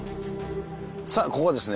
さあここはですね